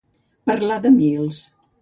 Parlar de mils.